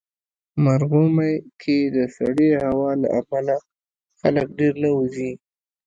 مرغومی کې د سړې هوا له امله خلک ډېر نه وځي.